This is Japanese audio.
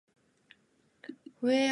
ふぇあふぇわふぇわ